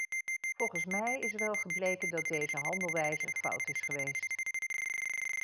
Volgens mij is wel gebleken dat deze handelwijze fout is geweest.